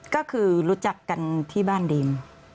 ก็คือรู้จักกันที่บ้านเดม